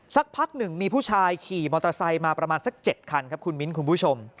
สักพักหนึ่งมีผู้ชายขี่มอเตอร์ไซค์มาประมาณสัก๗คันครับคุณมิ้นคุณผู้ชม